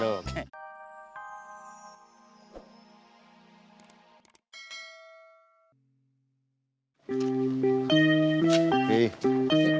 ayo nggak usah peluk